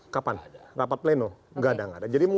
kapan rapat pleno gadang ada